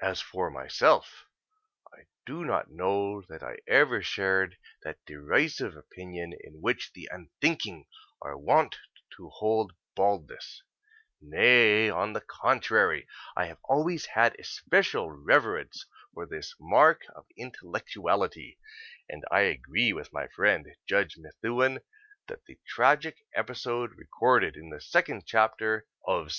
As for myself, I do not know that I ever shared that derisive opinion in which the unthinking are wont to hold baldness. Nay, on the contrary, I have always had especial reverence for this mark of intellectuality, and I agree with my friend Judge Methuen that the tragic episode recorded in the second chapter of II.